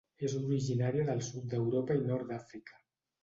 És originària del sud d'Europa i Nord d'Àfrica.